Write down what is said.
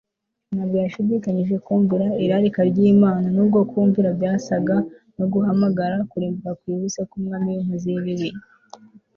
ntabwo yashidikanyije kumvira irarika ryImana nubwo kumvira byasaga no guhamagara kurimbuka kwihuse kumwami winkozi yibibi